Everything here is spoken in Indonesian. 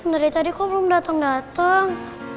dari kok belum datang datang